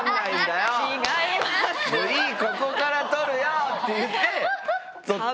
「もういいここから撮るよ」って言って撮った。